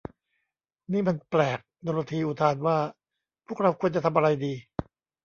นี้มันแปลก โดโรธีอุทานว่า พวกเราควรจะทำอะไรดี